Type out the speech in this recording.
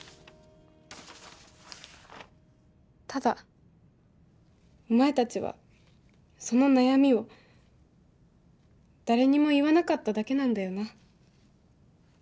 ただお前達はその悩みを誰にも言わなかっただけなんだよな